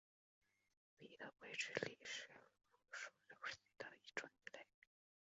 彼得桂脂鲤是辐鳍鱼纲脂鲤目脂鲤亚目鲑脂鲤科的一种鱼类。